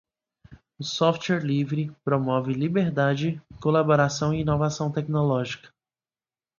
O software livre promove liberdade, colaboração e inovação tecnológica.